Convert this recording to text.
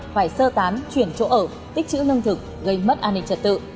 phải sơ tán chuyển chỗ ở tích chữ lương thực gây mất an ninh trật tự